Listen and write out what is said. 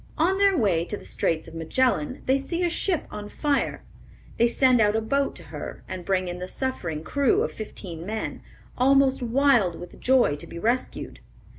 On their way to the Straits of Magellan, they see a ship on fire. They send out a boat to her, and bring in the suffering crew of fifteen men, almost wild with joy to be rescued.